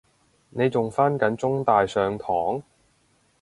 你仲返緊中大上堂？